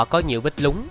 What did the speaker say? có nhiều vít lúng